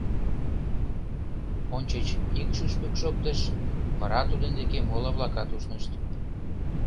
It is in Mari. Ончыч ик шӱшпык шоктыш, вара тудын деке моло-влакат ушнышт.